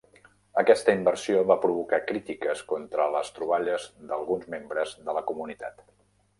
Aquesta inversió va provocar crítiques contra les troballes d'alguns membres de la comunitat.